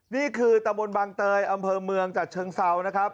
นี่คือตะบนบางเตยอำเภอเมืองจากเชิงเซานะครับ